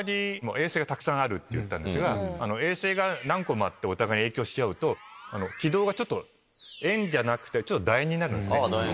衛星がたくさんあると言ったんですが衛星が何個もあってお互い影響し合うと軌道が円じゃなくて楕円になるんですね。